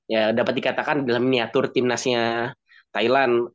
ya dapat dikatakan dalam miniatur timnasnya thailand